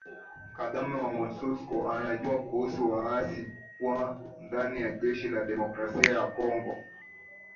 Kagame na Monusco wanajua kuhusu waasi kuwa ndani ya jeshi la Demokrasia ya Kongo